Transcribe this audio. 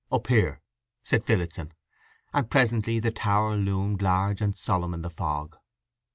"Up here," said Phillotson; and presently the tower loomed large and solemn in the fog.